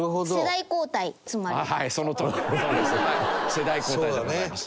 世代交代でございます。